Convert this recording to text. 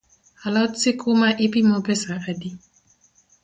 A lot sikuma ipimo pesa adi?